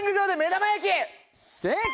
正解！